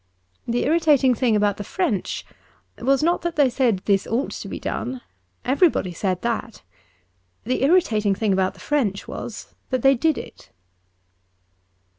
The irritating thing about the French was not that they said this ought to be done : everybody said that. The irritating thing about the French was that they did it.